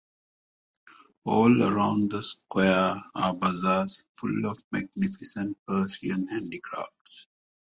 All around the square are bazaars full of magnificent Persian handicrafts.